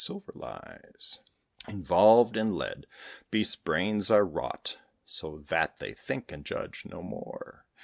Silver lies Involved in lead. Beasts' brains are wrought So that they think and judge; no more.